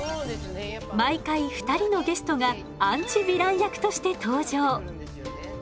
毎回２人のゲストがアンチヴィラン役として登場。